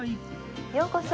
ようこそ。